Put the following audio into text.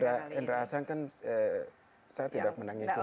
kalau hendra asan kan saya tidak menangin itu